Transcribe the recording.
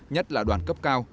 nhất là đoàn cấp cao